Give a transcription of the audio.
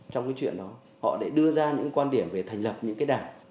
trong cái chuyện đó họ lại đưa ra những quan điểm về thành lập những cái đảng